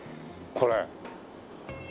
これ。